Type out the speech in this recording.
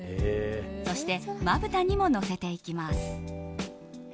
そして、まぶたにものせていきます。